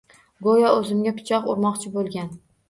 Goʻyo oʻzimga pichoq urmoqchi boʻlgan.